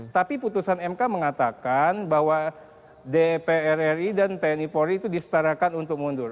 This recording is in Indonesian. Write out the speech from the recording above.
tapi putusan mk mengatakan bahwa dpr ri dan tni polri itu disetarakan untuk mundur